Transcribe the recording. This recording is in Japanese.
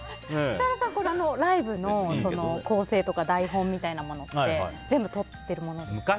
設楽さん、ライブの構成とか台本みたいなものって全部とっているものとか？